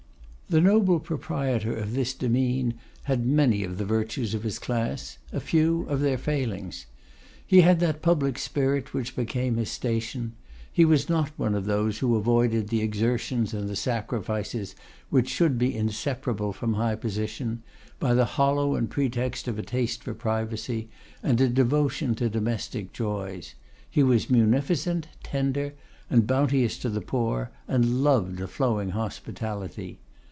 The noble proprietor of this demesne had many of the virtues of his class; a few of their failings. He had that public spirit which became his station. He was not one of those who avoided the exertions and the sacrifices which should be inseparable from high position, by the hollow pretext of a taste for privacy, and a devotion to domestic joys. He was munificent, tender, and bounteous to the poor, and loved a flowing hospitality.